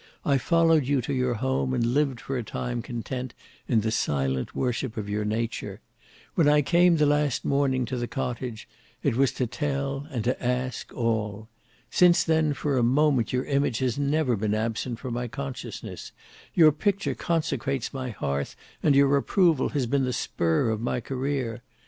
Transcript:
I followed you to your home, and lived for a time content in the silent worship of your nature. When I came the last morning to the cottage, it was to tell, and to ask, all. Since then for a moment your image has never been absent from my consciousness; your picture consecrates my hearth and your approval has been the spur of my career.